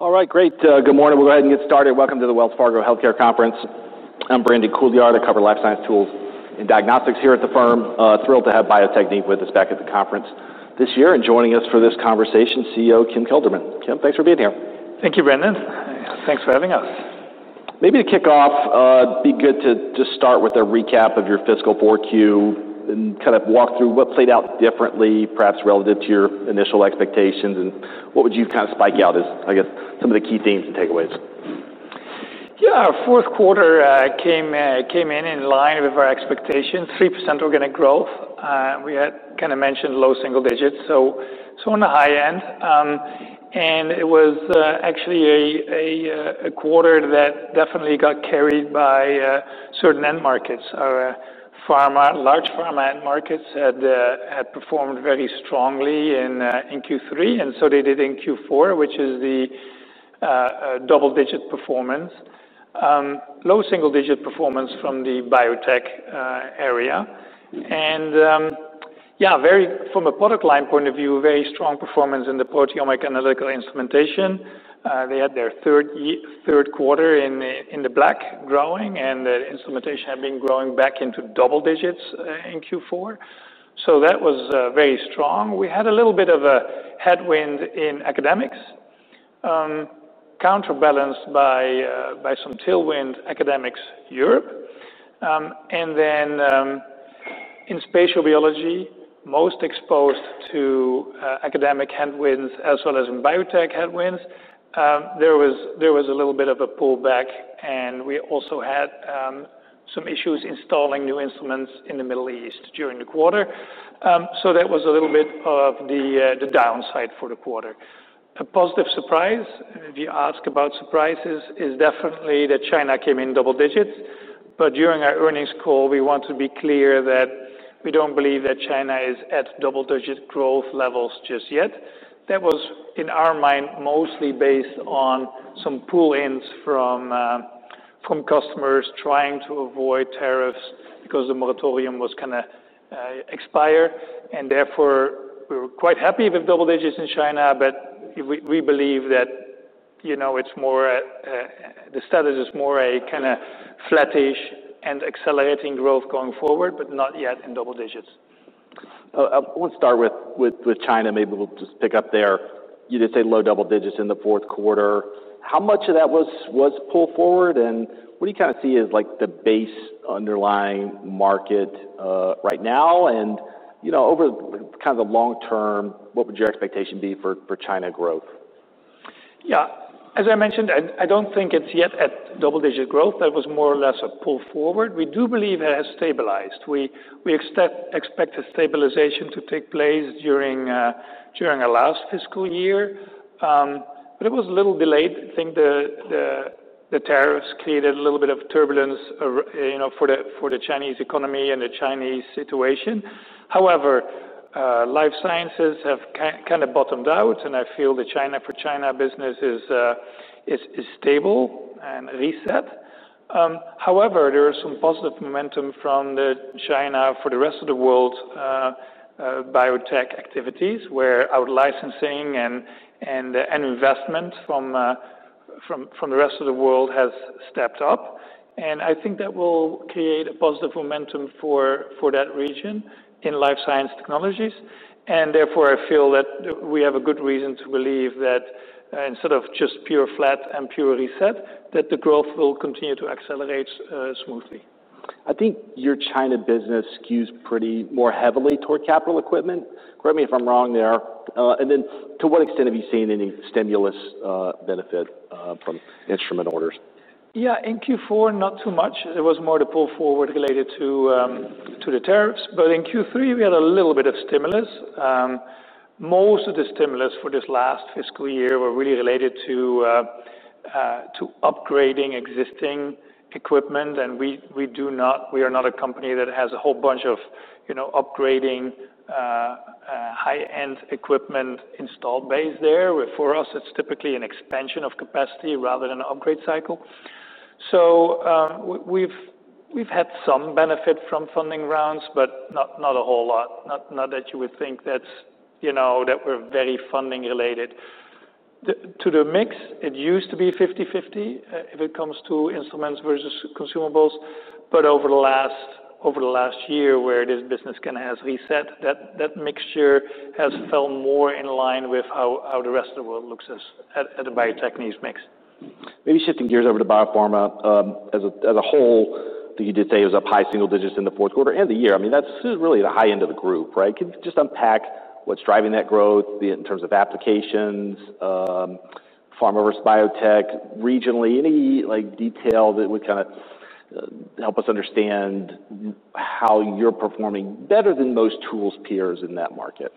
All right, great. Good morning. We'll go ahead and get started. Welcome to the Wells Fargo Healthcare Conference. I'm Brandon Couillard. I cover life science tools and diagnostics here at the firm. Thrilled to have Bio-Techne with us back at the conference this year. And joining us for this conversation, CEO Kim Kelderman. Kim, thanks for being here. Thank you, Brandon. Thanks for having us. Maybe to kick off, it'd be good to just start with a recap of your fiscal forecast and kind of walk through what played out differently, perhaps relative to your initial expectations, and what would you kind of pick out as, I guess, some of the key themes and takeaways? Yeah, fourth quarter came in in line with our expectations, 3% organic growth. We had kind of mentioned low single digits, so on the high end. And it was actually a quarter that definitely got carried by certain end markets. Pharma, large pharma end markets had performed very strongly in Q3, and so they did in Q4, which is the double-digit performance. Low single-digit performance from the biotech area. And yeah, from a product line point of view, very strong performance in the proteomic analytical instrumentation. They had their third quarter in the black growing, and the instrumentation had been growing back into double digits in Q4. So that was very strong. We had a little bit of a headwind in academics, counterbalanced by some tailwind academics Europe. And then in spatial biology, most exposed to academic headwinds as well as in biotech headwinds. There was a little bit of a pullback, and we also had some issues installing new instruments in the Middle East during the quarter, so that was a little bit of the downside for the quarter. A positive surprise, if you ask about surprises, is definitely that China came in double digits, but during our earnings call, we want to be clear that we don't believe that China is at double-digit growth levels just yet. That was, in our mind, mostly based on some pull-ins from customers trying to avoid tariffs because the moratorium was going to expire, and therefore, we were quite happy with double digits in China, but we believe that the status is more a kind of flattish and accelerating growth going forward, but not yet in double digits. I want to start with China. Maybe we'll just pick up there. You did say low double digits in the fourth quarter. How much of that was pulled forward, and what do you kind of see as the base underlying market right now? And over kind of the long term, what would your expectation be for China growth? Yeah, as I mentioned, I don't think it's yet at double-digit growth. That was more or less a pull forward. We do believe it has stabilized. We expect a stabilization to take place during our last fiscal year. But it was a little delayed. I think the tariffs created a little bit of turbulence for the Chinese economy and the Chinese situation. However, life sciences have kind of bottomed out, and I feel the China for China business is stable and reset. However, there is some positive momentum from the China for the rest of the world biotech activities, where out-licensing and investment from the rest of the world has stepped up. And I think that will create a positive momentum for that region in life science technologies. Therefore, I feel that we have a good reason to believe that instead of just pure flat and pure reset, that the growth will continue to accelerate smoothly. I think your China business skews more heavily toward capital equipment. Correct me if I'm wrong there. And then to what extent have you seen any stimulus benefit from instrument orders? Yeah, in Q4, not too much. It was more the pull forward related to the tariffs. But in Q3, we had a little bit of stimulus. Most of the stimulus for this last fiscal year were really related to upgrading existing equipment. And we are not a company that has a whole bunch of upgrading high-end equipment installed base there. For us, it's typically an expansion of capacity rather than an upgrade cycle. So we've had some benefit from funding rounds, but not a whole lot. Not that you would think that we're very funding related. To the mix, it used to be 50/50 if it comes to instruments versus consumables. But over the last year, where this business kind of has reset, that mixture has fell more in line with how the rest of the world looks at the biotech consumables mix. Maybe shifting gears over to biopharma as a whole. You did say it was up high single digits in the fourth quarter and the year. I mean, that's really the high end of the group, right? Just unpack what's driving that growth in terms of applications, pharma versus biotech, regionally. Any detail that would kind of help us understand how you're performing better than most tools peers in that market?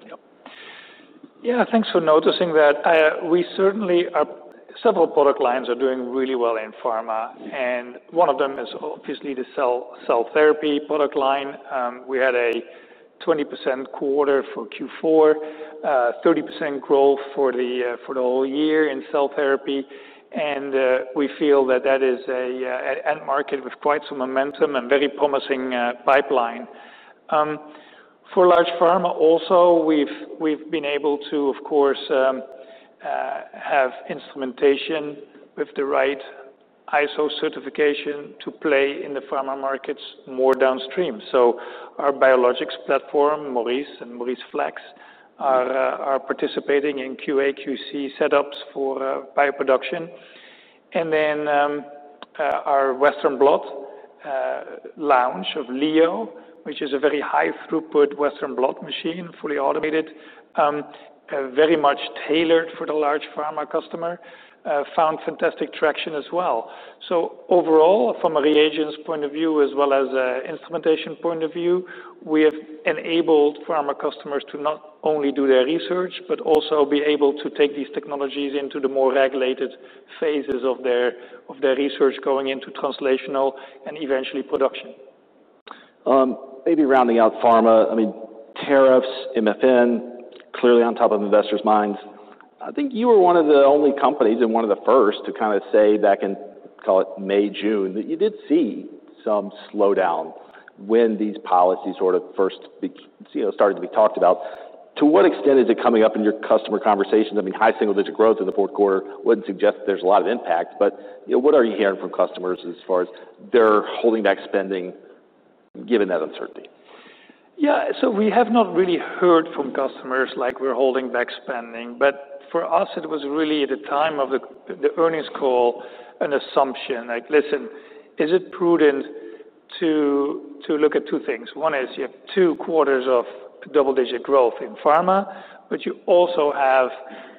Yeah, thanks for noticing that. We certainly are. Several product lines are doing really well in pharma, and one of them is obviously the cell therapy product line. We had a 20% quarter for Q4, 30% growth for the whole year in cell therapy. We feel that that is an end market with quite some momentum and very promising pipeline. For large pharma also, we've been able to, of course, have instrumentation with the right ISO certification to play in the pharma markets more downstream. Our biologics platform, Maurice and MauriceFlex, are participating in QA/QC setups for bio production. Our Western blot line of Leo, which is a very high throughput Western blot machine, fully automated, very much tailored for the large pharma customer, found fantastic traction as well. So overall, from a reagents point of view, as well as an instrumentation point of view, we have enabled pharma customers to not only do their research, but also be able to take these technologies into the more regulated phases of their research going into translational and eventually production. Maybe rounding out pharma, I mean, tariffs, MFN, clearly on top of investors' minds. I think you were one of the only companies and one of the first to kind of say back in, call it May, June, that you did see some slowdown when these policies sort of first started to be talked about. To what extent is it coming up in your customer conversations? I mean, high single digit growth in the fourth quarter wouldn't suggest there's a lot of impact. But what are you hearing from customers as far as they're holding back spending given that uncertainty? Yeah, so we have not really heard from customers like we're holding back spending. But for us, it was really at the time of the earnings call, an assumption like, listen, is it prudent to look at two things? One is you have two quarters of double-digit growth in pharma, but you also have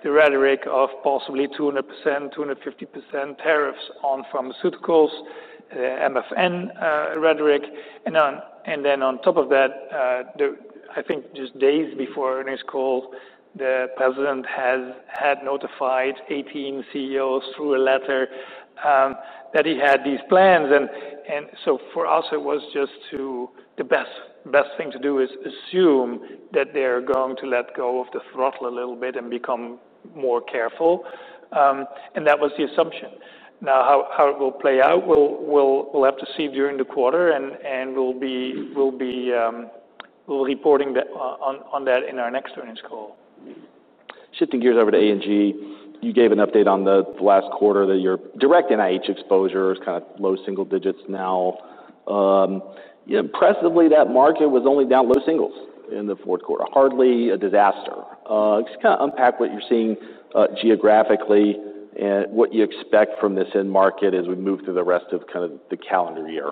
the rhetoric of possibly 200%-250% tariffs on pharmaceuticals, MFN rhetoric. And then on top of that, I think just days before earnings call, the president had notified 18 CEOs through a letter that he had these plans. And so for us, it was just the best thing to do is assume that they're going to let go of the throttle a little bit and become more careful. And that was the assumption. Now, how it will play out, we'll have to see during the quarter, and we'll be reporting on that in our next earnings call. Shifting gears over to A&G, you gave an update on the last quarter that your direct NIH exposure is kind of low single digits now. Impressively, that market was only down low singles in the fourth quarter, hardly a disaster. Just kind of unpack what you're seeing geographically and what you expect from this end market as we move through the rest of kind of the calendar year.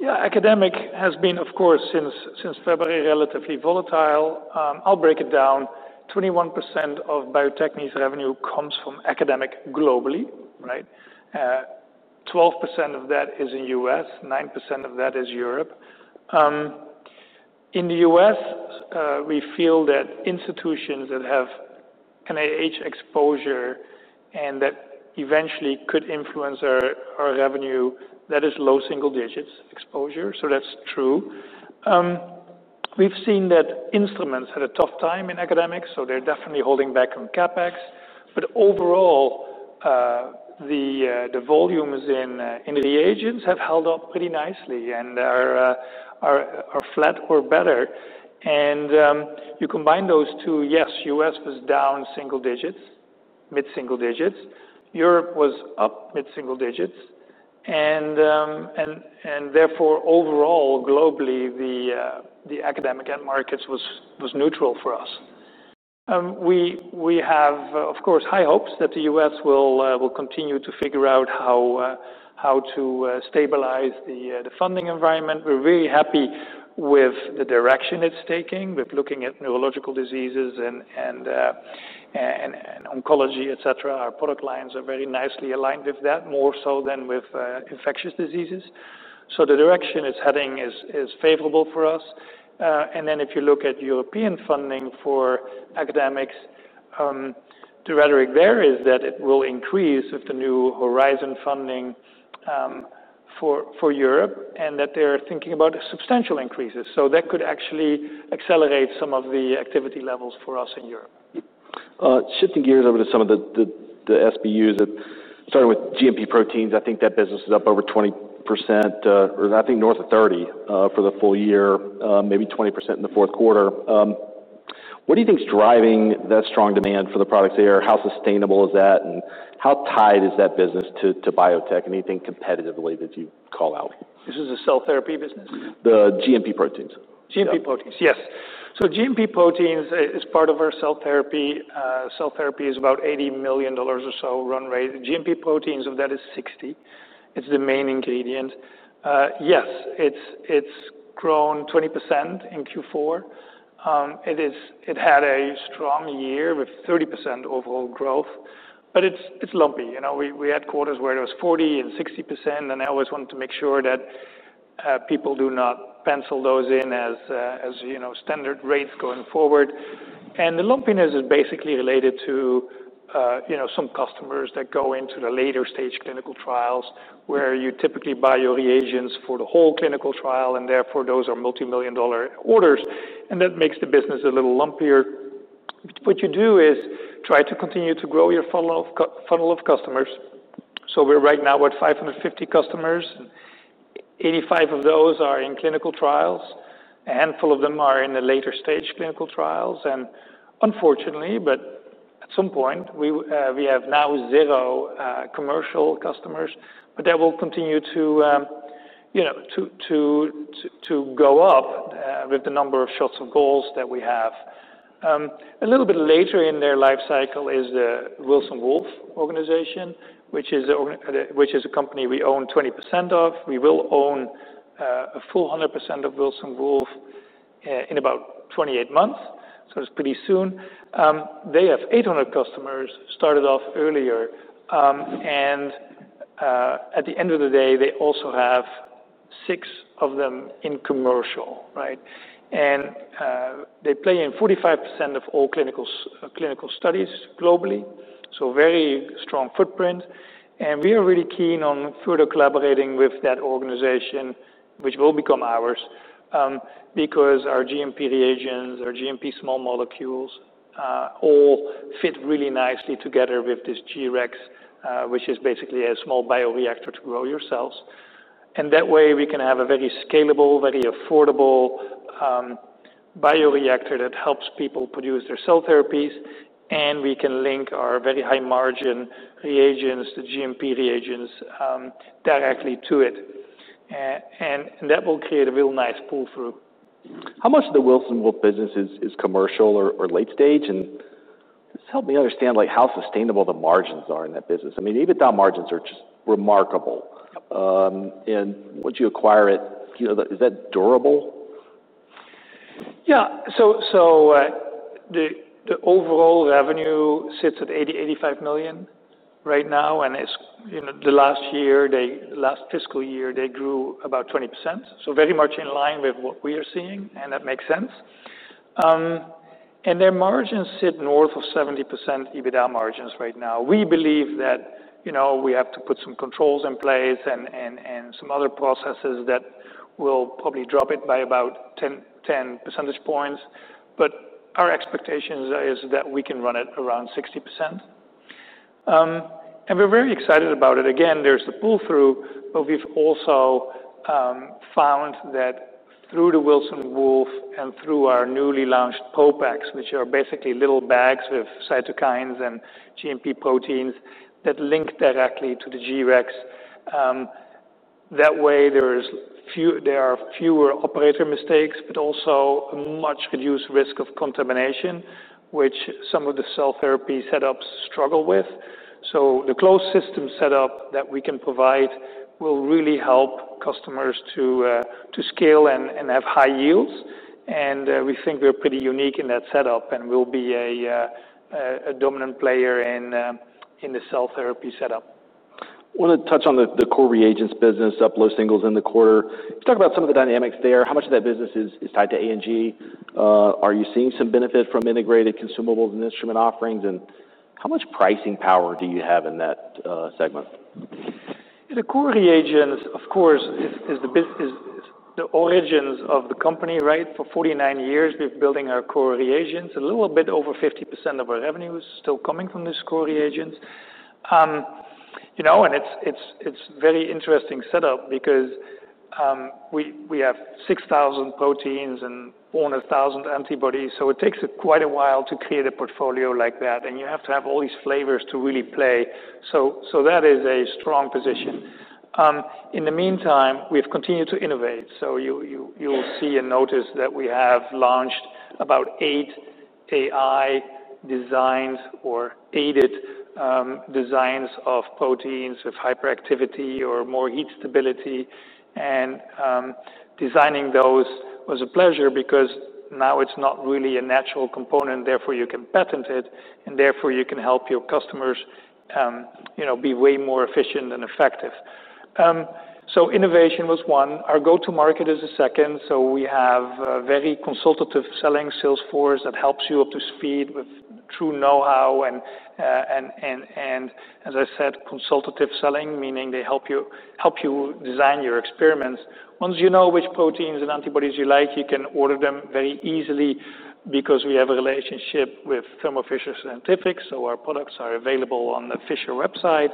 Yeah, academic has been, of course, since February relatively volatile. I'll break it down. 21% of Bio-Techne's revenue comes from academic globally, right? 12% of that is in the U.S., 9% of that is Europe. In the U.S., we feel that institutions that have NIH exposure and that eventually could influence our revenue, that is low single digits exposure. So that's true. We've seen that instruments had a tough time in academics, so they're definitely holding back on CapEx. But overall, the volumes in reagents have held up pretty nicely and are flat or better. And you combine those two, yes, U.S. was down single digits, mid-single digits. Europe was up mid-single digits. And therefore, overall, globally, the academic end markets was neutral for us. We have, of course, high hopes that the U.S. will continue to figure out how to stabilize the funding environment. We're very happy with the direction it's taking with looking at neurological diseases and oncology, etc. Our product lines are very nicely aligned with that, more so than with infectious diseases. So the direction it's heading is favorable for us. And then if you look at European funding for academics, the rhetoric there is that it will increase with the new Horizon funding for Europe and that they're thinking about substantial increases. So that could actually accelerate some of the activity levels for us in Europe. Shifting gears over to some of the SBUs. Starting with GMP proteins, I think that business is up over 20%, or I think north of 30% for the full year, maybe 20% in the fourth quarter. What do you think's driving that strong demand for the products there? How sustainable is that? And how tied is that business to biotech? Anything competitively that you call out? This is a cell therapy business? The GMP proteins. GMP proteins, yes. So GMP proteins is part of our cell therapy. Cell therapy is about $80 million or so run rate. GMP proteins of that is $60 million. It's the main ingredient. Yes, it's grown 20% in Q4. It had a strong year with 30% overall growth, but it's lumpy. We had quarters where it was 40%-60%, and I always wanted to make sure that people do not pencil those in as standard rates going forward. And the lumpiness is basically related to some customers that go into the later stage clinical trials, where you typically buy your reagents for the whole clinical trial, and therefore those are multi-million dollar orders. And that makes the business a little lumpier. What you do is try to continue to grow your funnel of customers. So we're right now at 550 customers. 85 of those are in clinical trials. A handful of them are in the later stage clinical trials, and unfortunately, but at some point we have now zero commercial customers, but that will continue to go up with the number of shots on goal that we have. A little bit later in their life cycle is the Wilson Wolf, which is a company we own 20% of. We will own a full 100% of Wilson Wolf in about 28 months, so it's pretty soon. They have 800 customers started off earlier. And at the end of the day, they also have six of them in commercial, right? And they play in 45% of all clinical studies globally, so very strong footprint. And we are really keen on further collaborating with that organization, which will become ours, because our GMP reagents, our GMP small molecules all fit really nicely together with this G-Rex, which is basically a small bioreactor to grow your cells. And that way, we can have a very scalable, very affordable bioreactor that helps people produce their cell therapies. And we can link our very high margin reagents, the GMP reagents, directly to it. And that will create a real nice pull through. How much of the Wilson Wolf business is commercial or late stage? And just help me understand how sustainable the margins are in that business. I mean, even those margins are just remarkable. And once you acquire it, is that durable? Yeah. So the overall revenue sits at $80 million-$85 million right now. And the last year, the last fiscal year, they grew about 20%. So very much in line with what we are seeing, and that makes sense. And their margins sit north of 70% EBITDA margins right now. We believe that we have to put some controls in place and some other processes that will probably drop it by about 10 percentage points. But our expectation is that we can run it around 60%. And we're very excited about it. Again, there's the pull through, but we've also found that through the Wilson Wolf and through our newly launched ProPaks, which are basically little bags with cytokines and GMP proteins that link directly to the G-Rex. That way, there are fewer operator mistakes, but also a much reduced risk of contamination, which some of the cell therapy setups struggle with. So the closed system setup that we can provide will really help customers to scale and have high yields. And we think we're pretty unique in that setup and will be a dominant player in the cell therapy setup. I want to touch on the core reagents business, up low singles in the quarter. Talk about some of the dynamics there. How much of that business is tied to A&G? Are you seeing some benefit from integrated consumables and instrument offerings? And how much pricing power do you have in that segment? The core reagents, of course, is the origins of the company, right? For 49 years, we've been building our core reagents. A little bit over 50% of our revenue is still coming from these core reagents, and it's a very interesting setup because we have 6,000 proteins and almost 1,000 antibodies, so it takes quite a while to create a portfolio like that, and you have to have all these flavors to really play, so that is a strong position. In the meantime, we've continued to innovate, so you'll see and notice that we have launched about eight AI-designed or aided designs of proteins with hyperactivity or more heat stability, and designing those was a pleasure because now it's not really a natural component. Therefore, you can patent it, and therefore, you can help your customers be way more efficient and effective, so innovation was one. Our go-to-market is second, so we have a very consultative selling sales force that helps you up to speed with true know-how, and as I said, consultative selling, meaning they help you design your experiments. Once you know which proteins and antibodies you like, you can order them very easily because we have a relationship with Thermo Fisher Scientific, so our products are available on the Fisher website,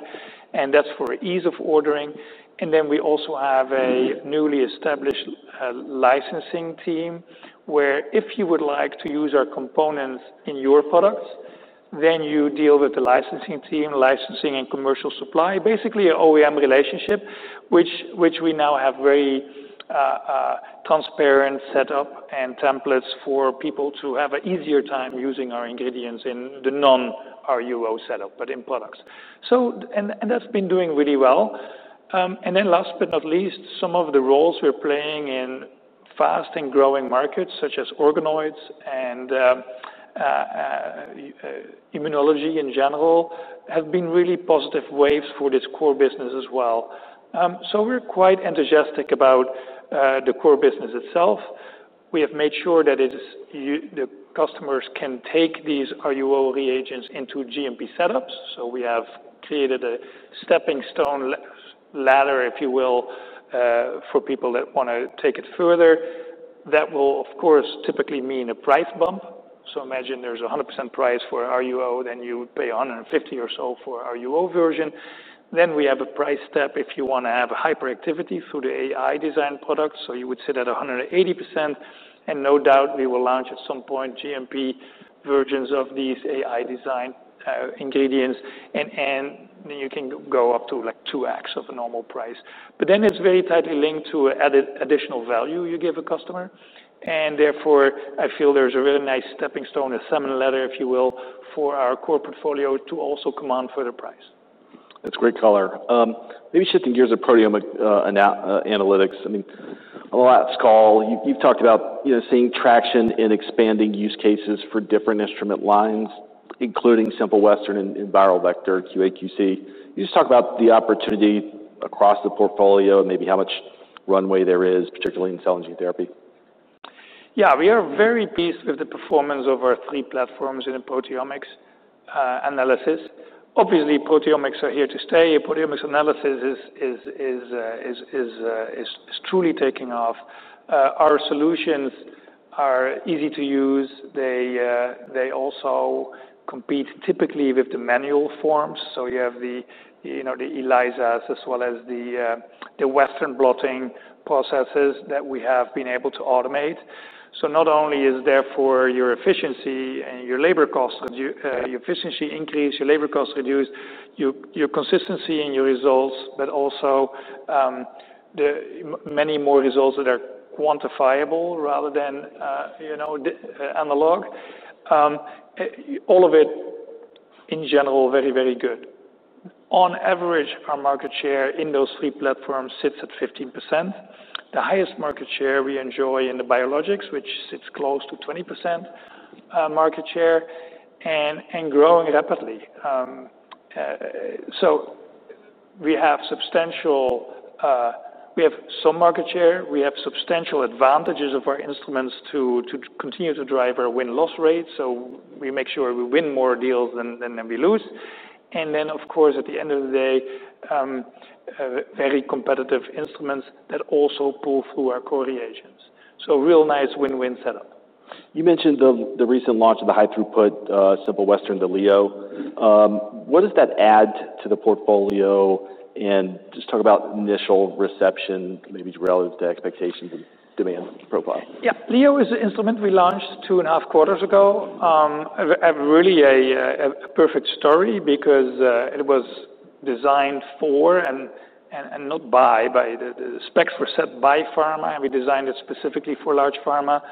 and that's for ease of ordering, and then we also have a newly established licensing team where if you would like to use our components in your products, then you deal with the licensing team, licensing and commercial supply, basically an OEM relationship, which we now have a very transparent setup and templates for people to have an easier time using our ingredients in the non-RUO setup, but in products, and that's been doing really well. And then last but not least, some of the roles we're playing in fast and growing markets such as organoids and immunology in general have been really positive waves for this core business as well. So we're quite enthusiastic about the core business itself. We have made sure that the customers can take these RUO reagents into GMP setups. So we have created a stepping stone ladder, if you will, for people that want to take it further. That will, of course, typically mean a price bump. So imagine there's a 100% price for RUO, then you would pay 150 or so for GMP version. Then we have a price step if you want to have higher activity through the AI-designed products. So you would sit at 180%. And no doubt, we will launch at some point GMP versions of these AI-designed ingredients. And then you can go up to like 2x of a normal price. But then it's very tightly linked to added additional value you give a customer. And therefore, I feel there's a really nice stepping stone, a similar ladder, if you will, for our core portfolio to also command further price. That's great color. Maybe shifting gears to proteomic analytics. I mean, on the last call, you've talked about seeing traction in expanding use cases for different instrument lines, including Simple Western and viral vector QA/QC. Can you just talk about the opportunity across the portfolio and maybe how much runway there is, particularly in cell and gene therapy? Yeah, we are very pleased with the performance of our three platforms in the proteomics analysis. Obviously, proteomics are here to stay. Proteomics analysis is truly taking off. Our solutions are easy to use. They also compete typically with the manual forms. So you have the ELISAs as well as the Western blotting processes that we have been able to automate. So not only is therefore your efficiency and your labor costs, your efficiency increase, your labor costs reduced, your consistency in your results, but also many more results that are quantifiable rather than analog. All of it, in general, very, very good. On average, our market share in those three platforms sits at 15%. The highest market share we enjoy in the biologics, which sits close to 20% market share, and growing rapidly. So we have substantial market share. We have substantial advantages of our instruments to continue to drive our win-loss rate, so we make sure we win more deals than we lose, and then, of course, at the end of the day, very competitive instruments that also pull through our core reagents, so real nice win-win setup. You mentioned the recent launch of the high-throughput Simple Western, the Leo. What does that add to the portfolio? And just talk about initial reception, maybe relative to expectations and demand profile? Yeah. Leo is an instrument we launched two and a half quarters ago. Really a perfect story because it was designed for and not by. The specs were set by pharma, and we designed it specifically for large pharma.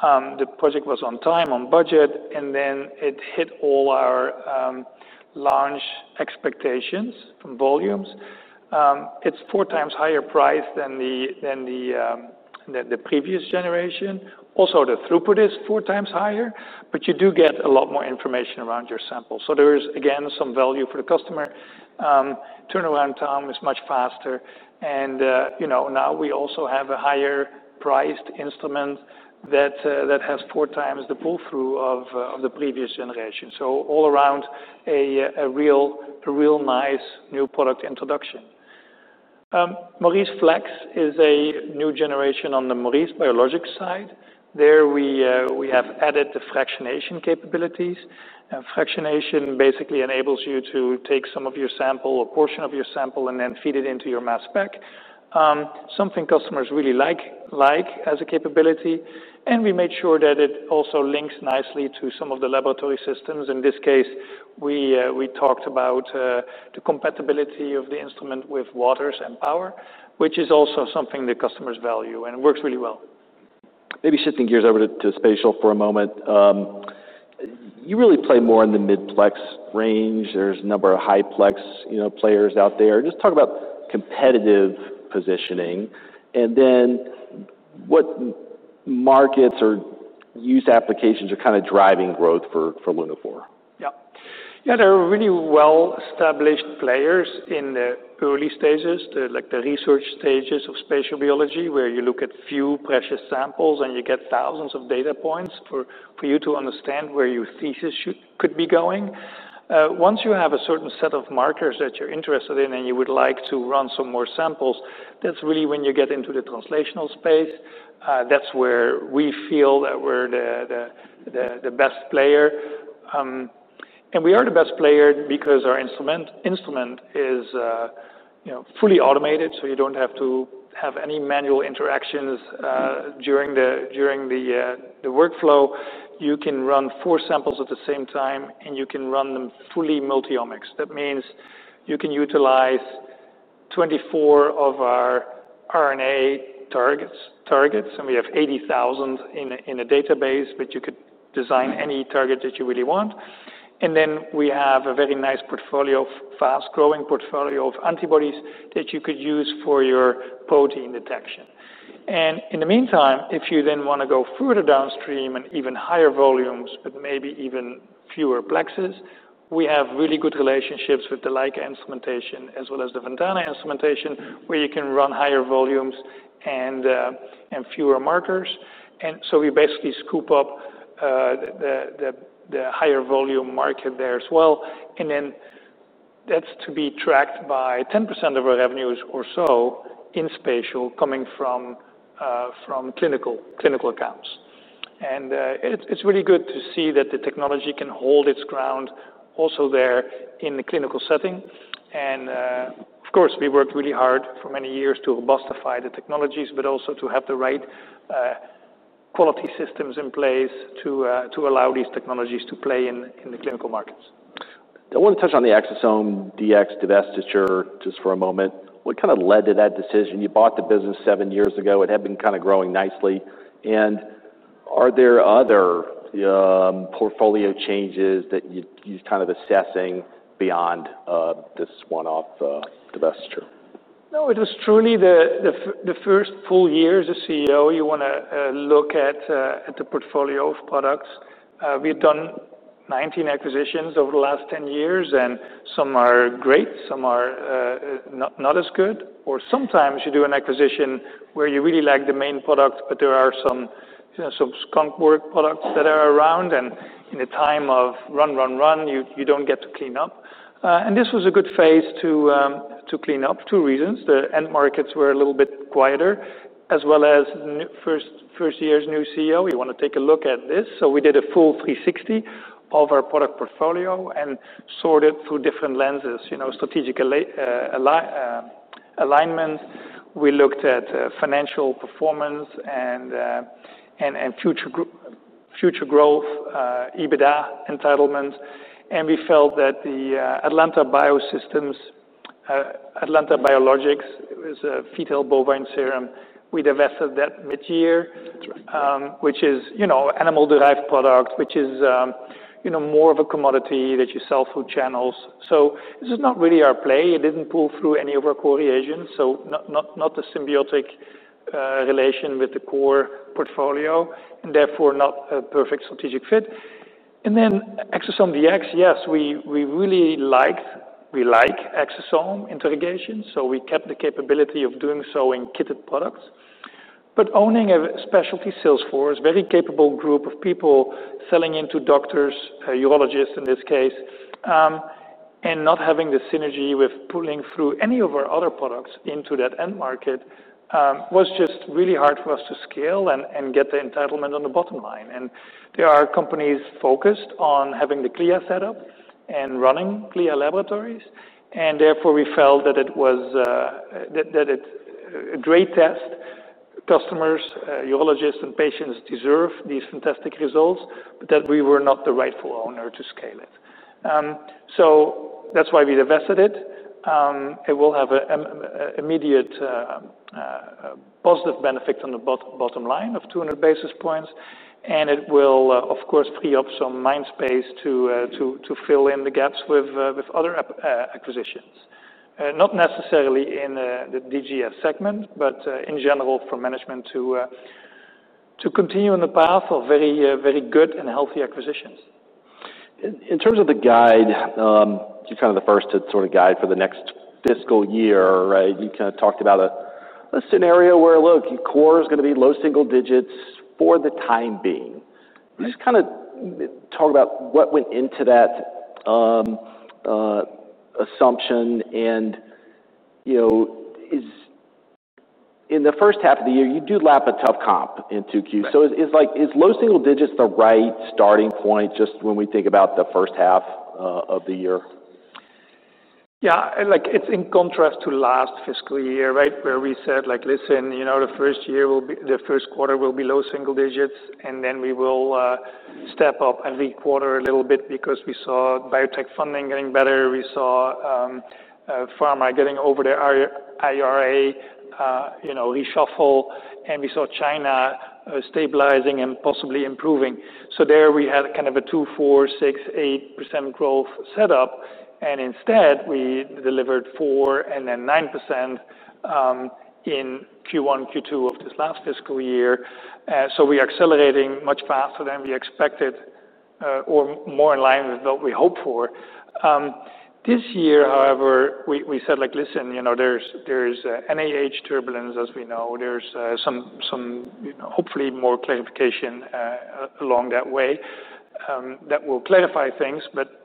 The project was on time, on budget, and then it hit all our launch expectations from volumes. It's four times higher priced than the previous generation. Also, the throughput is four times higher, but you do get a lot more information around your sample. So there is, again, some value for the customer. Turnaround time is much faster. And now we also have a higher-priced instrument that has four times the pull through of the previous generation. So all around, a real nice new product introduction. MauriceFlex is a new generation on the Maurice Biologics side. There we have added the fractionation capabilities. Fractionation basically enables you to take some of your sample or portion of your sample and then feed it into your mass spec. Something customers really like as a capability, and we made sure that it also links nicely to some of the laboratory systems. In this case, we talked about the compatibility of the instrument with Waters and Agilent, which is also something that customers value and works really well. Maybe shifting gears over to spatial for a moment. You really play more in the mid-plex range. There's a number of high-plex players out there. Just talk about competitive positioning. and then what markets or use applications are kind of driving growth for Lunaphore? Yeah. Yeah, there are really well-established players in the early stages, like the research stages of spatial biology, where you look at few precious samples and you get thousands of data points for you to understand where your thesis could be going. Once you have a certain set of markers that you're interested in and you would like to run some more samples, that's really when you get into the translational space. That's where we feel that we're the best player, and we are the best player because our instrument is fully automated, so you don't have to have any manual interactions during the workflow. You can run four samples at the same time, and you can run them fully multi-omics. That means you can utilize 24 of our RNA targets, and we have 80,000 in a database, but you could design any target that you really want. And then we have a very nice portfolio, fast-growing portfolio of antibodies that you could use for your protein detection. And in the meantime, if you then want to go further downstream and even higher volumes, but maybe even fewer Plexes, we have really good relationships with the Leica instrumentation as well as the Ventana instrumentation, where you can run higher volumes and fewer markers. And so we basically scoop up the higher volume market there as well. And then that's to be tracked by 10% of our revenues or so in spatial coming from clinical accounts. And it's really good to see that the technology can hold its ground also there in the clinical setting. Of course, we worked really hard for many years to build the right of technologies, but also to have the right quality systems in place to allow these technologies to play in the clinical markets. I want to touch on the ExosomeDx divestiture just for a moment. What kind of led to that decision? You bought the business seven years ago. It had been kind of growing nicely, and are there other portfolio changes that you're kind of assessing beyond this one-off divestiture? No, it was truly the first full year as a CEO. You want to look at the portfolio of products. We've done 19 acquisitions over the last 10 years, and some are great, some are not as good, or sometimes you do an acquisition where you really like the main product, but there are some skunk work products that are around, and in a time of run, run, run, you don't get to clean up, and this was a good phase to clean up, two reasons. The end markets were a little bit quieter, as well as first year's new CEO. You want to take a look at this, so we did a full 360 of our product portfolio and sorted through different lenses, strategic alignment, we looked at financial performance and future growth, EBITDA entitlements. We felt that the Atlanta Biologicals, it was a fetal bovine serum. We divested that mid-year, which is an animal-derived product, which is more of a commodity that you sell through channels. So this is not really our play. It didn't pull through any of our core reagents, so not the symbiotic relation with the core portfolio, and therefore not a perfect strategic fit. And then ExosomeDx, yes, we really liked Exosome interrogation. So we kept the capability of doing so in kitted products. But owning a specialty sales force, very capable group of people selling into doctors, urologists in this case, and not having the synergy with pulling through any of our other products into that end market was just really hard for us to scale and get the entitlement on the bottom line. There are companies focused on having the CLIA setup and running CLIA laboratories. Therefore, we felt that it was a great test. Customers, urologists, and patients deserve these fantastic results, but that we were not the rightful owner to scale it. That's why we divested it. It will have an immediate positive benefit on the bottom line of basis points. It will, of course, free up some mind space to fill in the gaps with other acquisitions, not necessarily in the DGS segment, but in general for management to continue on the path of very good and healthy acquisitions. In terms of the guide, you're kind of the first to sort of guide for the next fiscal year, right? You kind of talked about a scenario where, look, core is going to be low single digits for the time being. Just kind of talk about what went into that assumption. And in the first half of the year, you do lap a tough comp in 2Q. So is low single digits the right starting point just when we think about the first half of the year? Yeah. It's in contrast to last fiscal year, right, where we said, like, listen, the first quarter will be low single digits, and then we will step up every quarter a little bit because we saw biotech funding getting better. We saw pharma getting over the IRA reshuffle, and we saw China stabilizing and possibly improving. So there we had kind of a 2%, 4%, 6%, 8% growth setup. And instead, we delivered 4% and then 9% in Q1, Q2 of this last fiscal year. So we are accelerating much faster than we expected or more in line with what we hoped for. This year, however, we said, like, listen, there's NIH turbulence as we know. There's some hopefully more clarification along that way that will clarify things. But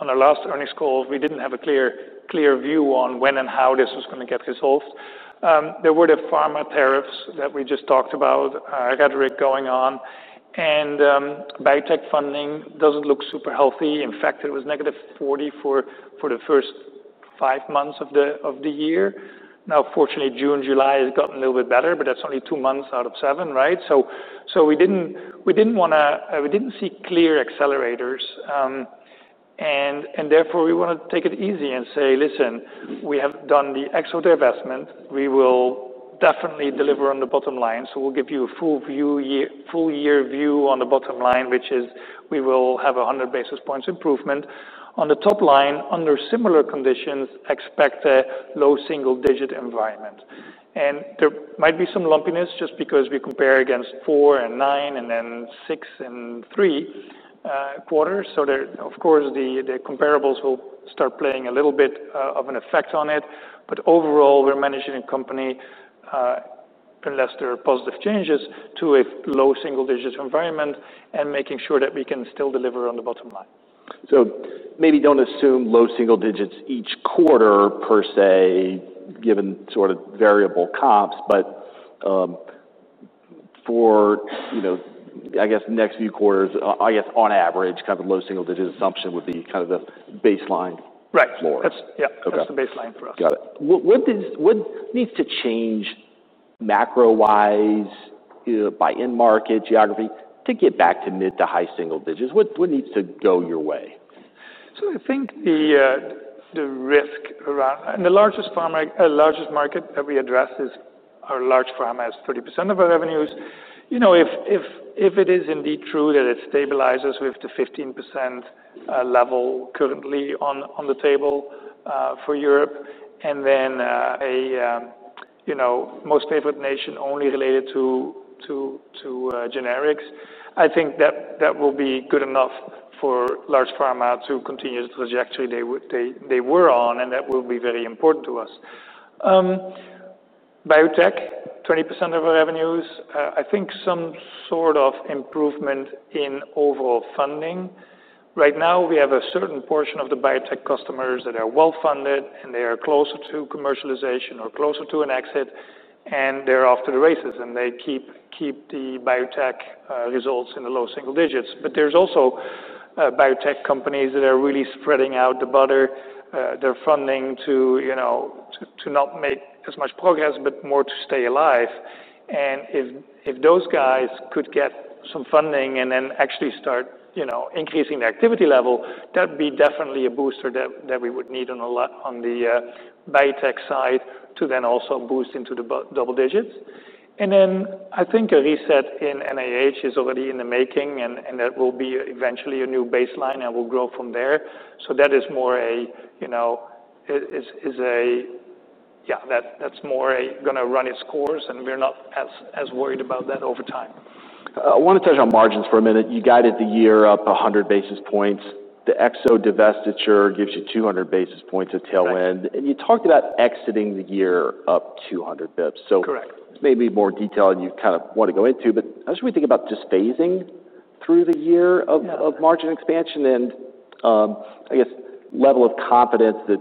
on our last earnings call, we didn't have a clear view on when and how this was going to get resolved. There were the pharma tariffs that we just talked about. I've got a lot going on. And biotech funding doesn't look super healthy. In fact, it was negative 40% for the first five months of the year. Now, fortunately, June, July has gotten a little bit better, but that's only two months out of seven, right? So we didn't see clear accelerators. And therefore, we want to take it easy and say, listen, we have done the Exosome divestment. We will definitely deliver on the bottom line. So we'll give you a full-year view on the bottom line, which is we will have 100 basis points improvement. On the top line, under similar conditions, expect a low single-digit environment. And there might be some lumpiness just because we compare against four and nine and then six and three quarters. So of course, the comparables will start playing a little bit of an effect on it. But overall, we're managing a company, unless there are positive changes, to a low single-digit environment and making sure that we can still deliver on the bottom line. Maybe don't assume low single digits each quarter per se, given sort of variable comps. But for, I guess, next few quarters, I guess on average, kind of low single-digit assumption would be kind of the baseline floor. Right. Yep. That's the baseline for us. Got it. What needs to change macro-wise by end market geography to get back to mid to high single digits? What needs to go your way? So I think the risk around, and the largest market that we address, is our large pharma is 30% of our revenues. If it is indeed true that it stabilizes with the 15% level currently on the table for Europe and then a Most Favored Nation only related to generics, I think that will be good enough for large pharma to continue the trajectory they were on, and that will be very important to us. Biotech, 20% of our revenues. I think some sort of improvement in overall funding. Right now, we have a certain portion of the biotech customers that are well-funded, and they are closer to commercialization or closer to an exit, and they're after the races, and they keep the biotech results in the low single digits. But there's also biotech companies that are really spreading out the butter. They're funding to not make as much progress, but more to stay alive. And if those guys could get some funding and then actually start increasing their activity level, that would be definitely a booster that we would need on the biotech side to then also boost into the double digits. And then I think a reset in NIH is already in the making, and that will be eventually a new baseline and will grow from there. So that is more a yeah, that's more going to run its course, and we're not as worried about that over time. I want to touch on margins for a minute. You guided the year up 100 basis points. The Exosome divestiture gives you 200 basis points at tail end, and you talked about exiting the year up 200 basis points. Correct. So, maybe more detail you kind of want to go into. But how should we think about just phasing through the year of margin expansion? And I guess level of confidence that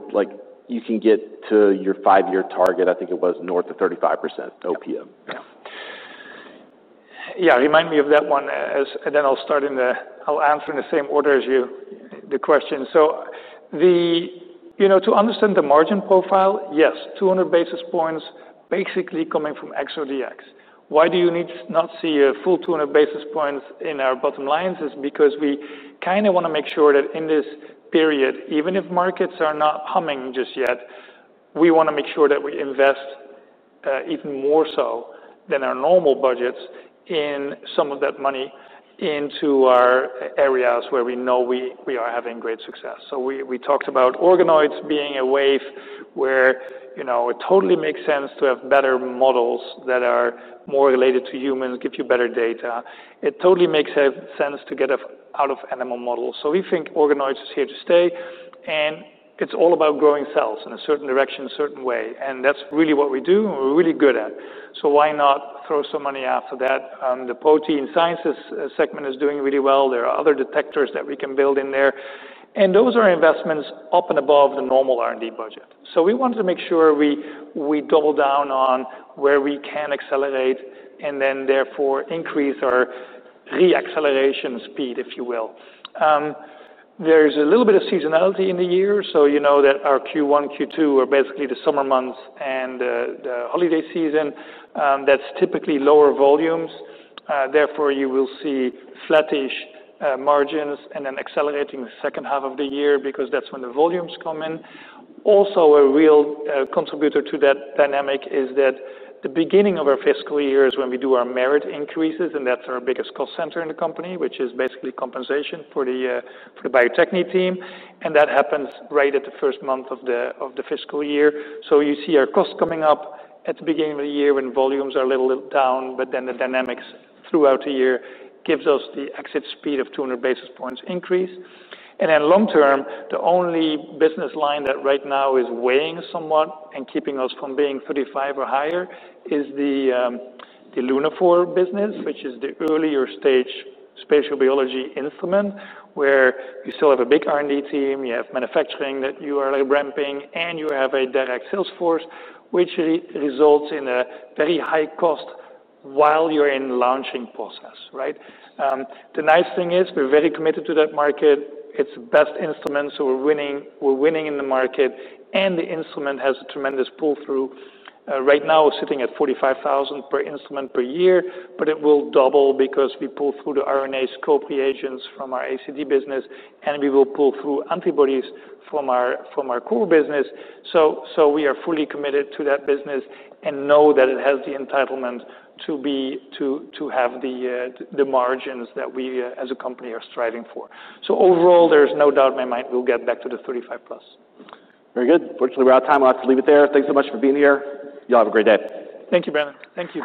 you can get to your five-year target, I think it was north of 35% OPM. Yeah. Yeah, remind me of that one. And then I'll answer in the same order as you the question. To understand the margin profile, yes, 200 basis points basically coming from ExosomeDx. Why will you not see a full 200 basis points in our bottom line? It's because we kind of want to make sure that in this period, even if markets are not humming just yet, we want to make sure that we invest even more so than our normal budgets in some of that money into our areas where we know we are having great success. We talked about organoids being a wave where it totally makes sense to have better models that are more related to humans, give you better data. It totally makes sense to get out of animal models. We think organoids are here to stay, and it's all about growing cells in a certain direction, a certain way. And that's really what we do and we're really good at. So why not throw some money after that? The protein sciences segment is doing really well. There are other detectors that we can build in there. And those are investments up and above the normal R&D budget. So we wanted to make sure we double down on where we can accelerate and then therefore increase our re-acceleration speed, if you will. There's a little bit of seasonality in the year. So you know that our Q1, Q2 are basically the summer months and the holiday season. That's typically lower volumes. Therefore, you will see flattish margins and then accelerating the second half of the year because that's when the volumes come in. Also, a real contributor to that dynamic is that the beginning of our fiscal year is when we do our merit increases, and that's our biggest cost center in the company, which is basically compensation for the Bio-Techne team. And that happens right at the first month of the fiscal year. So you see our cost coming up at the beginning of the year when volumes are a little down, but then the dynamics throughout the year gives us the exit speed of 200 basis points increase. And then long term, the only business line that right now is weighing somewhat and keeping us from being 35 or higher is the Lunaphore business, which is the earlier stage spatial biology instrument where you still have a big R&D team, you have manufacturing that you are ramping, and you have a direct sales force, which results in a very high cost while you're in the launching process, right? The nice thing is we're very committed to that market. It's the best instrument, so we're winning in the market, and the instrument has a tremendous pull-through. Right now, we're sitting at $45,000 per instrument per year, but it will double because we pull through the RNAscope reagents from our ACD business, and we will pull through antibodies from our core business. So we are fully committed to that business and know that it has the entitlement to have the margins that we as a company are striving for, so overall, there's no doubt in my mind we'll get back to the 35 plus. Very good. Fortunately, we're out of time. I'll have to leave it there. Thanks so much for being here. Y'all have a great day. Thank you, Brandon. Thank you.